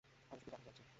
আমি শুধু জানতে চাইছি।